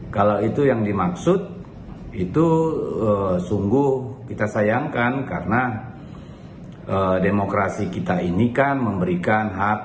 kalau itu yang dimaksud itu sungguh kita sayangkan karena demokrasi kita ini kan memberikan hak